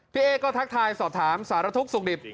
เอ๊ก็ทักทายสอบถามสารทุกข์สุขดิบ